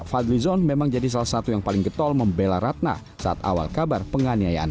fadlizon memang jadi salah satu yang paling getol membela ratna saat awal kabar penganiayaan